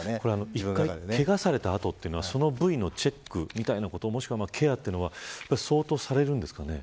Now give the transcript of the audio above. １回けがされた後はその部位のチェックみたいなこともしくはケアというのは相当されるんですか。